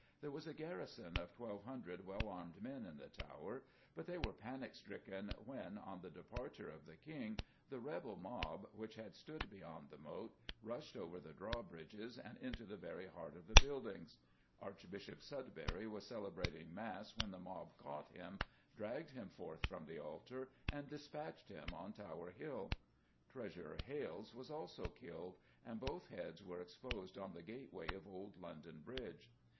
There was a garrison of 1200 well armed men in the Tower, but they were panic stricken when, on the departure of the King, the rebel mob, which had stood beyond the moat, rushed over the drawbridges and into the very heart of the buildings. Archbishop Sudbury was celebrating Mass when the mob caught him, dragged him forth from the altar, and despatched him on Tower Hill. Treasurer Hales was also killed, and both heads were exposed on the gateway of old London Bridge.